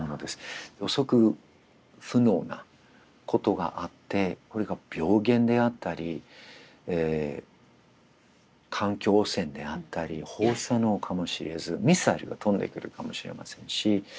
予測不能なことがあってこれが病原であったり環境汚染であったり放射能かもしれずミサイルが飛んでくるかもしれませんし。